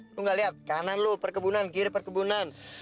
lo enggak lihat kanan lo perkebunan kiri perkebunan